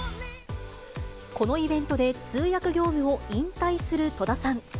このイベントで通訳業務を引退する戸田さん。